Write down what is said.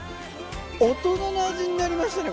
大人の味になりましたね